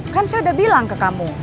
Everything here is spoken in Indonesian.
kan saya udah bilang ke kamu